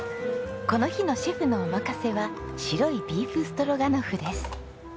この日のシェフのお任せは白いビーフストロガノフです。